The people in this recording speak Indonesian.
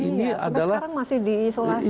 ini adalah sampai sekarang masih di isolasi